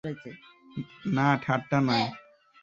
না, ঠাট্টা নয়।